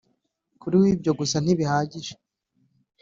kuri we ibyo gusa ntibihagije